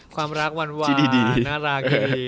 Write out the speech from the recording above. ความรักหวานหวานน่ารักดี